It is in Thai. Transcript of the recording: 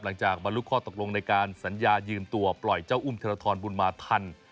หลังจากบรรลุข้อตกลงในการสัญญายืมตัวปล่อยเจ้าอุ้มธนทรบุญมาทัน